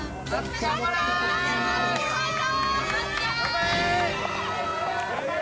頑張れ！